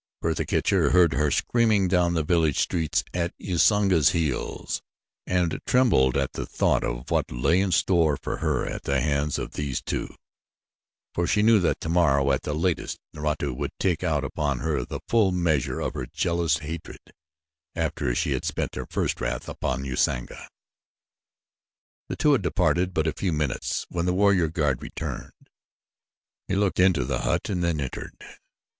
Bertha Kircher heard her screaming down the village street at Usanga's heels and trembled at the thought of what lay in store for her at the hands of these two, for she knew that tomorrow at the latest Naratu would take out upon her the full measure of her jealous hatred after she had spent her first wrath upon Usanga. The two had departed but a few minutes when the warrior guard returned. He looked into the hut and then entered.